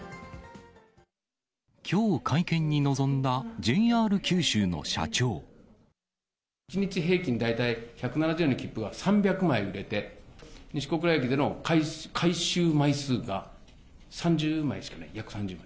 きょう会見に臨んだＪＲ九州１日平均大体１７０円の切符が３００枚売れて、西小倉駅での回収枚数が３０枚しかない、約３０枚。